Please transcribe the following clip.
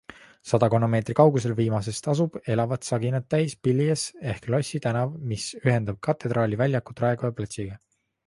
Sadakonna meetri kaugusel viimasest asub elavat saginat täis Pilies ehk Lossi tänav, mis ühendab Katedraali väljakut Raekoja platsiga.